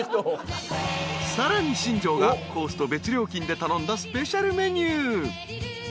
［さらに新庄がコースと別料金で頼んだスペシャルメニュー！］